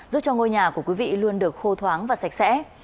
giúp cho ngôi nhà của quý vị luôn được khô thoáng và sạch sẽ